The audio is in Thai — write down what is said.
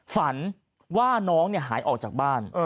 ฝันว่าน้องหายออกจากบ้าน